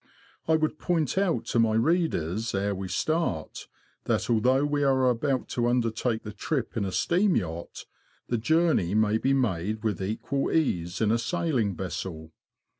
I would point out to my readers, ere we start, that although we are about to undertake the trip in a steam yacht, the journey may be made with equal ease in a sailing vessel.